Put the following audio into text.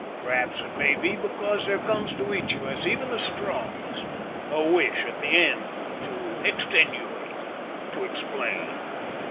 Perhaps it may be because there comes to each of us, even the strongest, a wish at the end to extenuate, to explain.